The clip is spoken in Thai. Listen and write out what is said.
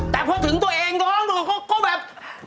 แต่พอถึงตัวเองร้องดูก็แบบ